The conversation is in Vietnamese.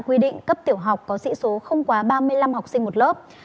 quy định cấp tiểu học có sĩ số không quá ba mươi năm học sinh một lớp